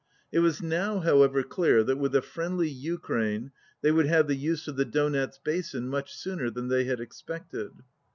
It was now, however, clear that, with a friendly Ukraine, they would have the use of the Donetz basin much sooner than they had expected.